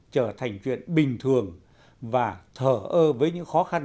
trở thành chuyện bình thường và thở ơ với những khó khăn